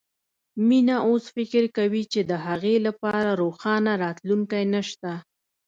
مينه اوس فکر کوي چې د هغې لپاره روښانه راتلونکی نه شته